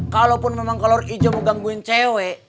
kalaupun memang kolor hijau mau gangguin cewe